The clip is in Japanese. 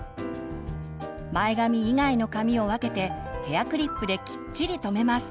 前髪以外の髪を分けてヘアクリップできっちり留めます。